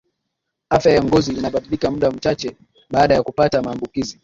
afya ya ngozi inabadilika muda mchache baada ya kupata maambukizi